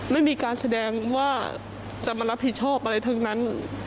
ไม่มีการแสดงว่าจะมารับผิดชอบอะไรทั้งนั้น